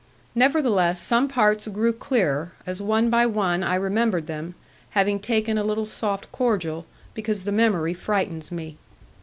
Nevertheless, some parts grew clearer, as one by one I remembered them, having taken a little soft cordial, because the memory frightens me.